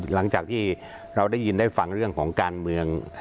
หลังจากที่เราได้ยินได้ฟังเรื่องของการเมือง